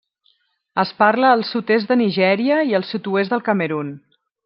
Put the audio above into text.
Es parla al sud-est de Nigèria i al sud-oest del Camerun.